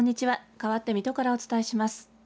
かわって水戸からお伝えします。